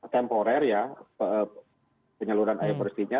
temporer ya penyaluran air bersihnya